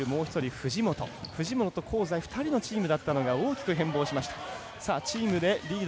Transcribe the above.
藤本、香西２人のチームだったのが大きく変貌しました。